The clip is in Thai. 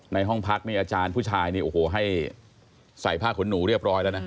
ห้องพักนี่อาจารย์ผู้ชายนี่โอ้โหให้ใส่ผ้าขนหนูเรียบร้อยแล้วนะ